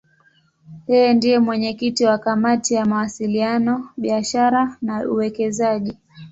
Yeye ndiye mwenyekiti wa Kamati ya Mawasiliano, Biashara na Uwekezaji.